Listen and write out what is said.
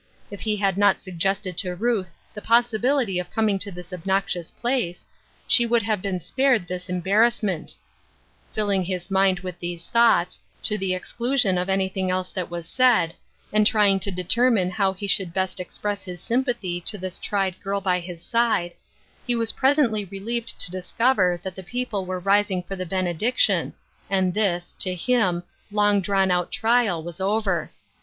If he had not suggested to Ruth the possibility of coming to this obnoxious place, she would have been spared this embarrassment From Different Standpoints. 97 Filling his mind with these thoughts — to the exclusion of anything else that was said — and trying to determine how he should best express his sympathy to this tried girl by his side, he was presently relieved to discover that the peo ple were rising for the benediction, and this — to him — long drawn out trial was over.